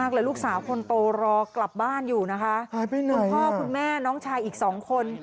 คุณพ่อคุณแม่น้องชายอีก๒คน